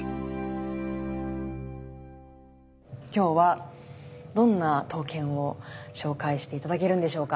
今日はどんな刀剣を紹介して頂けるんでしょうか。